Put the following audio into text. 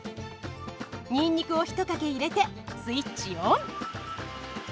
ニンニクを一かけ入れてスイッチオン。